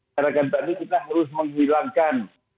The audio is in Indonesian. karena tadi kita harus menghilangkan